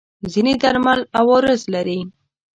ځینې درمل عوارض لري.